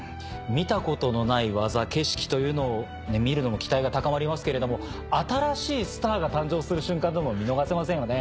見たことのない技景色というのを見るのも期待が高まりますけれども新しいスターが誕生する瞬間というのも見逃せませんよね。